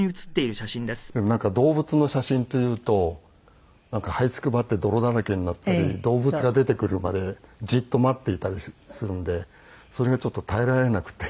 でもなんか動物の写真というとはいつくばって泥だらけになったり動物が出てくるまでじっと待っていたりするんでそれがちょっと耐えられなくて。